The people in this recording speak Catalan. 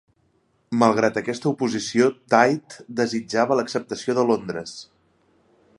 Malgrat aquesta oposició, Tait desitjava l'acceptació de Londres.